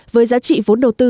với giá trị vốn đầu tư